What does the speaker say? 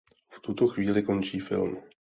V tuto chvíli končí film.